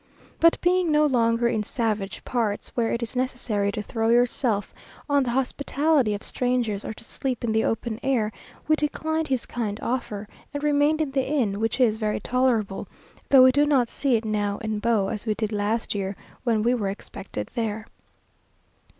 But being no longer in savage parts, where it is necessary to throw yourself on the hospitality of strangers or to sleep in the open air, we declined his kind offer, and remained in the inn, which is very tolerable, though we do not see it now en beau as we did last year, when we were expected there.